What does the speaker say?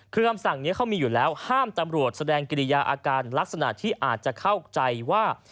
คือคำสั่งนี้เขามีอยู่แล้วห้ามตำรวจแสดงกิริยาอาการลักษณะที่อาจจะเข้าใจว่า